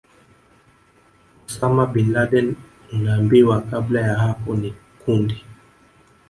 Osama Bin Laden Unaambiwa kabla ya hapo ni kundi